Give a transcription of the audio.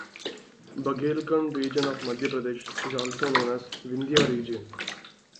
Bagelkhand region of Madhya Pradesh is also known as Vindhya region.